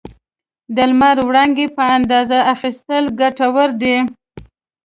د لمر وړانګې په اندازه اخیستل ګټور دي.